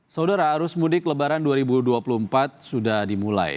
saudara arus mudik lebaran dua ribu dua puluh empat sudah dimulai